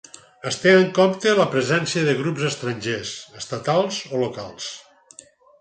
Es té en compte la presència de grups estrangers, estatals o locals.